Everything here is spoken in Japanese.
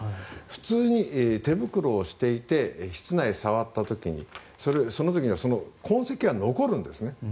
普通に手袋をしていて室内で触った時にその時に痕跡が残るんですね。